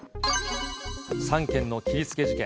３件の切りつけ事件。